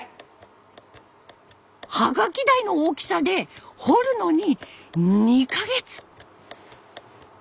ハガキ大の大きさで彫るのに２か月！